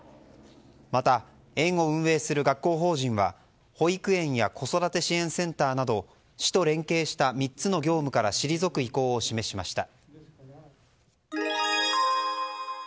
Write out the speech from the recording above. また園を運営する学校法人は保育園や子育て支援センターなど市と連携した３つの業務から退く意向を示しました。